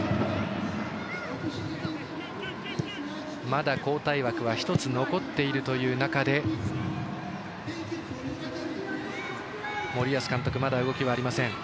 まだ交代枠は１つ残っているという中で森保監督、まだ動きはありません。